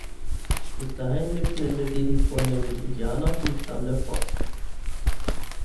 Bis dahin lebten in der Gegend vornehmlich Indianer vom Stamm der Fox.